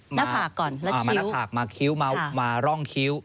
หน้าผากก่อนแล้วคิ้วมาร่องคิ้ว